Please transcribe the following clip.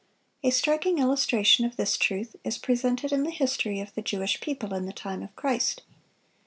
A striking illustration of this truth is presented in the history of the Jewish people in the time of Christ.